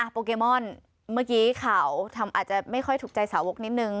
โปเกมอนเมื่อกี้ข่าวทำอาจจะไม่ค่อยถูกใจสาวกนิดนึง